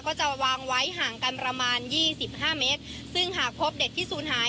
ก็จะวางไว้ห่างกันประมาณยี่สิบห้าเมตรซึ่งหากพบเด็กที่ศูนย์หาย